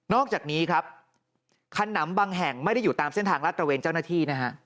นอกจากนี้ขนำบางแห่งไม่ได้อยู่ตามเส้นทางรัฐประเวณเจ้าหน้าที่